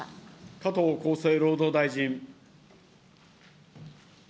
加藤厚生労働大臣。